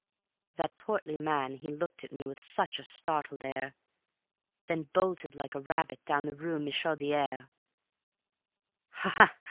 That portly man he looked at me with such a startled air, Then bolted like a rabbit down the rue Michaudière. "Ha!